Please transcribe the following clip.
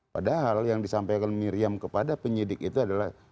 padahal yang disampaikan miriam kepada penyidik itu adalah